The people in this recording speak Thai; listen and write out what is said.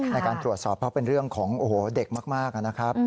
ในการตรวจสอบเพราะเป็นเรื่องของโอ้โหเด็กมากนะครับ